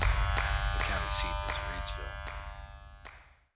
The county seat is Reidsville.